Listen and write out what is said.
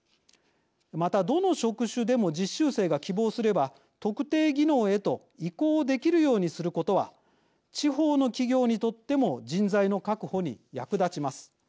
またどの職種でも実習生が希望すれば特定技能へと移行できるようにすることは地方の企業にとっても人材の確保に役立ちます。